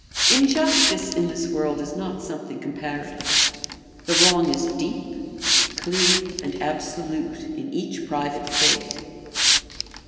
Injustice in this world is not something comparative; the wrong is deep, clear, and absolute in each private fate.